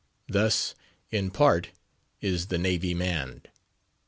Thus, in part, is the Navy manned.